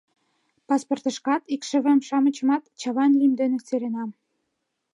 Паспортышкат, икшывем-шамычымат Чавайн лӱм дене серенам.